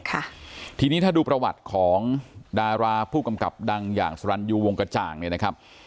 ค่ะทีนี้ถ้าดูประวัติของดาราผู้กำกับดังอย่างสรรยูวงกระจ่างเนี่ยนะครับ